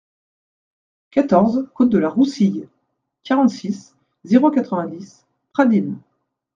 quatorze côte de la Roussille, quarante-six, zéro quatre-vingt-dix, Pradines